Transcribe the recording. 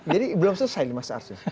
jadi belum selesai nih mas ars